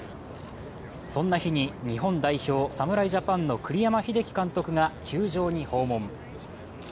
そんな日に、日本代表・侍ジャパンの栗山英樹監督が球場に訪問。